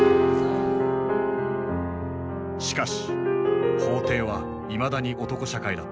しかし法廷はいまだに男社会だった。